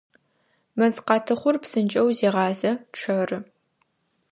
Мэзкъатыхъур псынкӏэу зегъазэ, чъэры.